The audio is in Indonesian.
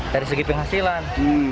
dari segi penghasilan